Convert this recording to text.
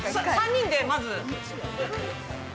３人でまず。